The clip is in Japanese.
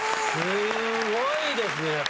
すごいですね！